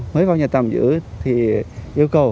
mới vào nhà tạm giữ thì yêu cầu